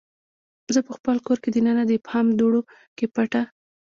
زه پخپل کور کې دننه د ابهام دوړو کې پټه